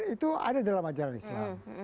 itu ada dalam ajaran islam